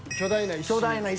巨大な石。